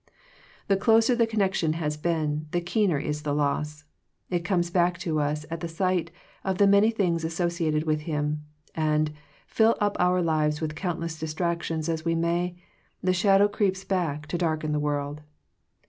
The closer the connection has been, the keener is the loss. It comes back to us at the sight of the many things associated with him, and, fill up our lives with countless distractions as we may, the shadow creeps back to darken the world.